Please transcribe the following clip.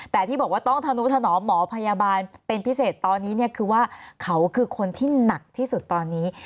แต่ที่บอกว่าต้องธนุถนอมหมอพยาบาลเป็นพิเศษตอนนี้เนี่ยคือว่าเขาคือคนที่หนักที่สุดตอนนี้